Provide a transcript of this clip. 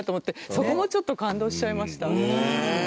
そこもちょっと感動しちゃいました。